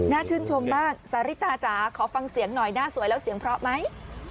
ชื่นชมมากสาฬิตาจ๋าขอฟังเสียงหน่อยหน้าสวยแล้วเสียงเพราะไหม